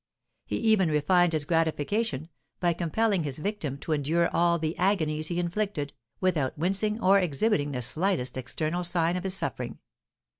He even refined his gratification, by compelling his victim to endure all the agonies he inflicted, without wincing or exhibiting the slightest external sign of his suffering.